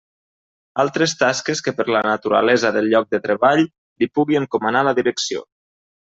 Altres tasques que per la naturalesa del lloc de treball li pugui encomanar la Direcció.